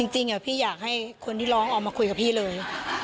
จริงพี่อยากให้คนที่ร้องออกมาคุยกับพี่เลย